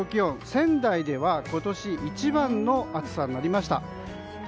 仙台では今年一番の暑さになりました。